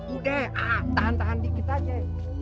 udah ah tahan tahan dikit aja ya